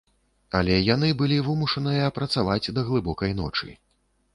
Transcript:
Але яны былі вымушаныя працаваць да глыбокай ночы.